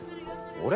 俺？